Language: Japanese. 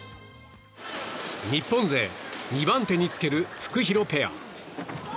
日本勢２番手につけるフクヒロペア。